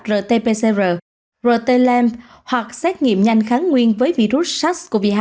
trường hợp chưa có kết quả xét nghiệm xét nghiệm nhanh kháng nguyên với sars cov hai